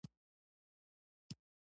فورډ په خپل هوډ کې بيا هم بريالی شو.